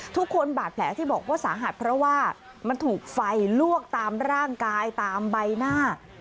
ทุกคนบาดแผลที่บอกว่าสาหัสเพราะว่ามันถูกไฟลวกตามร่างกายตามใบหน้า